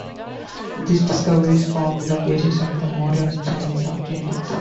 These discoveries formed the basis of the modern science of genetics.